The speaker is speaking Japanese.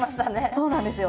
そうなんですよ。